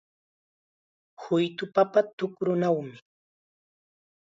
Huytu papa tukrunaw